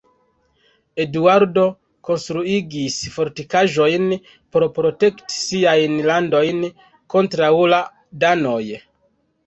Eduardo konstruigis fortikaĵojn por protekti siajn landojn kontraŭ la danoj.